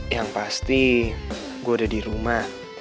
yang pasti gue udah di rumah